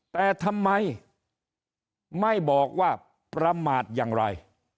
แต่ทำไมไม่บอกว่าประมาทอย่างไร